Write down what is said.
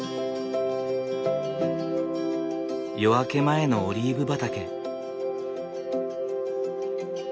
夜明け前のオリーブ畑。